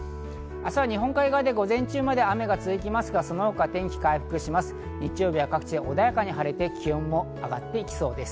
明日は日本海側で午前中まで雨が続きますが、その後、天気は回復します。